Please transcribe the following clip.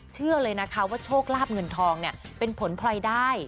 เชื่อเลยนะคะว่าโชคลาบเงินทองเป็นผลพลอยได้